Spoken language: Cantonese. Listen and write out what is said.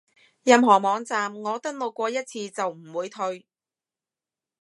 任何網站我登錄過一次就唔會退